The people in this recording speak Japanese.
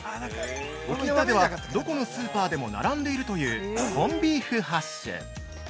◆沖縄ではどこのスーパーでも並んでいるという「コンビーフハッシュ」。